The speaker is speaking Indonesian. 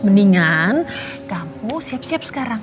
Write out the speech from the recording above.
mendingan kamu siap siap sekarang